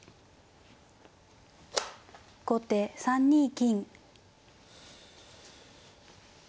後手３二金。